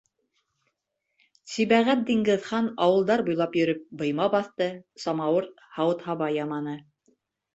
Сибәғәт-Диңгеҙхан ауылдар буйлап йөрөп быйма баҫты, самауыр, һауыт-һаба яманы.